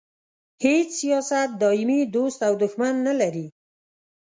هیڅ سیاست دایمي دوست او دوښمن نه لري.